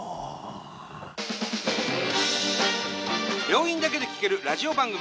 病院だけで聴けるラジオ番組。